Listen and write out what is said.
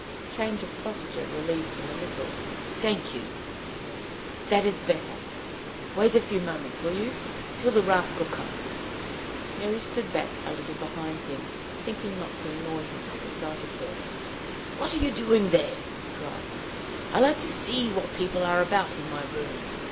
Change of posture relieved him a little. "Thank you," he said. "That is better. Wait a few moments, will you till the rascal comes?" Mary stood back, a little behind him, thinking not to annoy him with the sight of her. "What are you doing there?" he cried. "I like to see what people are about in my room.